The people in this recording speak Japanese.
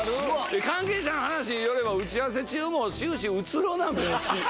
「関係者の話によれば打ち合わせ中も終始うつろな目をし」。